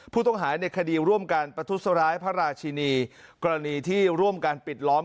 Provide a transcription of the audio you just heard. ผู้ต้องหาในคดีร่วมการประทุษร้ายพระราชินีกรณีที่ร่วมการปิดล้อม